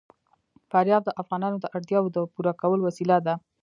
فاریاب د افغانانو د اړتیاوو د پوره کولو وسیله ده.